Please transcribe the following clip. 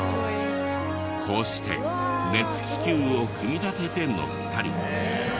こうして熱気球を組み立てて乗ったり。